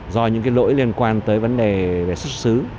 do những lỗi liên quan tới vấn đề về xuất xứ